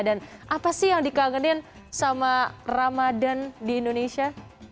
dan apa sih yang dikagetin sama ramadan di indonesia